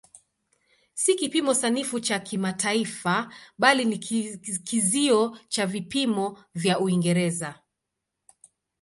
Si kipimo sanifu cha kimataifa bali ni kizio cha vipimo vya Uingereza.